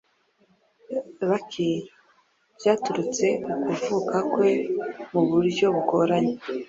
Lucky” byaturutse ku kuvuka kwe mu buryo bugoranye